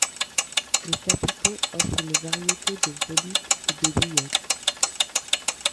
Les chapiteaux offrent une variété de volutes et de billettes.